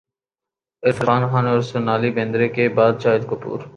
عرفان خان اور سونالی بیندر ے کے بعد شاہد کپور